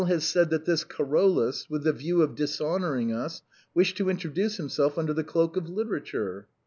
has said that this Carolus, with the view of dishonoring us, wished to introduce himself under the cloak of literature."